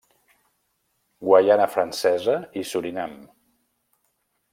Guaiana Francesa i Surinam.